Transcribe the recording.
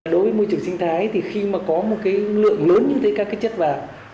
đối với môi trường sinh thái thì khi mà có một cái lượng lớn những các cái chất vào